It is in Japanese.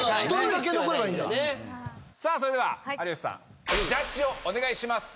さあそれでは有吉さんジャッジをお願いします。